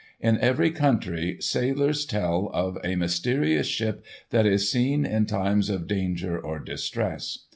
In every country sailors tell of a mysterious ship that is seen in times of danger or distress.